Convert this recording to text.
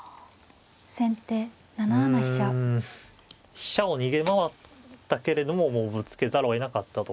飛車を逃げ回ったけれどももうぶつけざるをえなかったと。